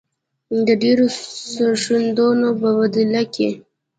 د ډیرو سرښندنو په بدله کې.